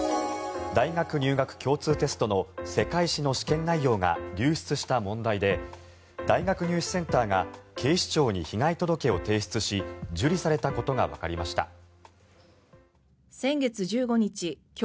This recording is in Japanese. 大学入学共通テストの世界史の試験内容が流出した問題で大学入試センターが警視庁に被害届を提出し受理されたことがわかりました。